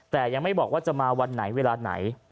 แต่ยังไม่บอกว่าจะมาวันไหนเวลาไหน